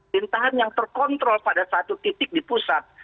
pintahan yang terkontrol pada satu titik di pusat